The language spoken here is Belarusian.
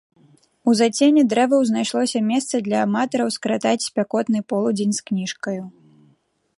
У зацені дрэваў знайшлося месца для аматараў скаратаць спякотны полудзень з кніжкаю.